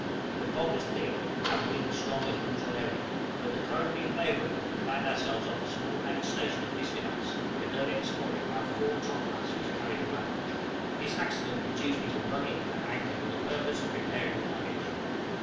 The fog was thick, and wind strong and contrary, but the current being favorable we found ourselves off the small out station of Fiskernaes, when early this morning our fore topmast was carried away; this accident induced me to run in and anchor for the purpose of repairing the damage.